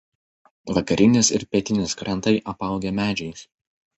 Vakarinis ir pietinis krantai apaugę medžiais.